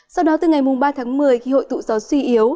sau đó từ ngày ba tháng một mươi khi hội tụ gió suy yếu